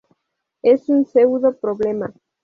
Es un pseudo-problema.